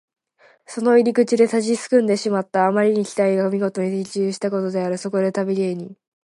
その入り口で立ちすくんでしまった。あまりに期待がみごとに的中したからである。そこで旅芸人